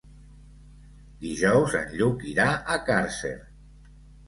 Dijous en Lluc irà a Càrcer.